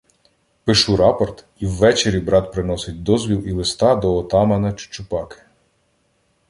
Пишу рапорт, і ввечері брат приносить дозвіл і листа до отамана Чучупаки.